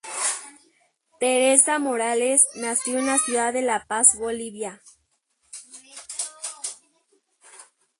Teresa Morales nació en la ciudad de La Paz, Bolivia.